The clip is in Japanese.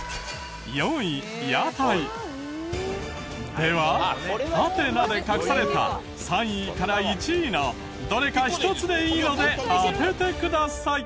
ではハテナで隠された３位から１位のどれか１つでいいので当ててください。